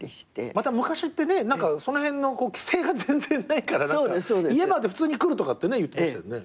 また昔ってねその辺の規制が全然ないから家まで普通に来るとかって言ってましたよね。